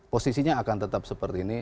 posisinya akan tetap seperti ini